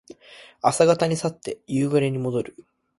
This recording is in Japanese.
朝方に去って夕暮れにもどる。